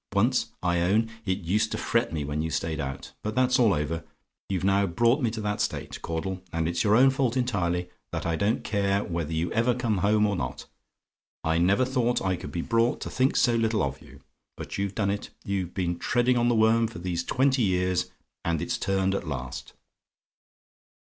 Once, I own, it used to fret me when you stayed out; but that's all over: you've now brought me to that state, Caudle and it's your own fault entirely that I don't care whether you ever come home or not. I never thought I could be brought to think so little of you; but you've done it: you've been treading on the worm for these twenty years, and it's turned at last.